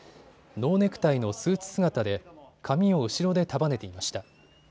ノーネクタイのスーツ姿で髪を後ろで束ねていました。